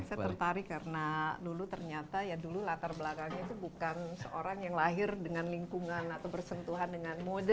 saya tertarik karena dulu ternyata ya dulu latar belakangnya itu bukan seorang yang lahir dengan lingkungan atau bersentuhan dengan moder